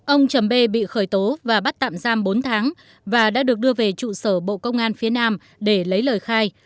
ông trầm bê bị khởi tố và bắt tạm giam bốn tháng và đã được đưa về trụ sở bộ công an phía nam để lấy lời khai